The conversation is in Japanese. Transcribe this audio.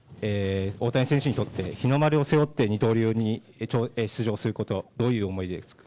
大谷選手にとって日の丸を背負って二刀流で出場することどういう思いですか。